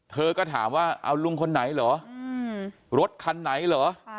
เธอก็ถามว่าเอาลุงคนไหนเหรอรถคันไหนเหรอ